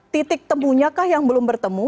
titik temunya kah yang belum bertemu